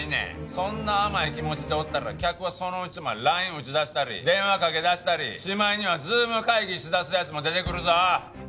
そんな甘い気持ちでおったら客はそのうちＬＩＮＥ打ちだしたり電話かけだしたりしまいにはＺｏｏｍ会議しだす奴も出てくるぞ！